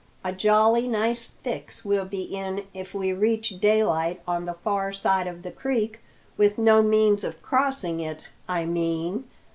A jolly nice fix we'll be in if we reach daylight on the far side of the creek with no means of crossing it, I mean.